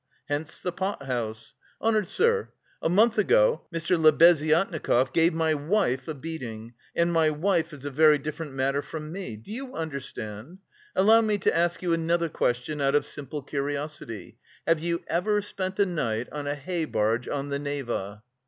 Hence the pot house! Honoured sir, a month ago Mr. Lebeziatnikov gave my wife a beating, and my wife is a very different matter from me! Do you understand? Allow me to ask you another question out of simple curiosity: have you ever spent a night on a hay barge, on the Neva?"